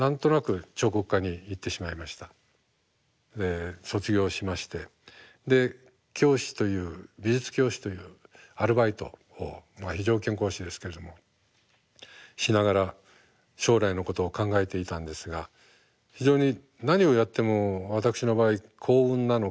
で卒業しましてで教師という美術教師というアルバイトをまあ非常勤講師ですけれどもしながら将来のことを考えていたんですが非常に何をやっても私の場合幸運なのか仕事が楽しいんですね。